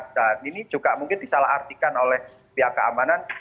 dan ini juga mungkin disalah artikan oleh pihak keamanan